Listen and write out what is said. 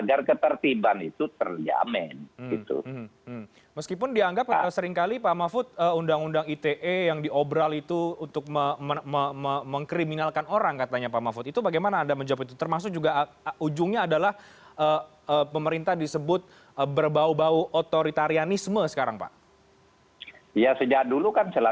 ada yang di banten itu botol